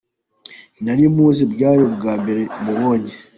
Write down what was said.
Sinari muzi bwari ubwa mbere mubonye.